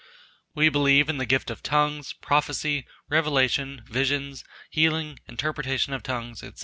We believe in the gift of tongues, prophesy, revelation, visions, healing, interpretation of tongues &c.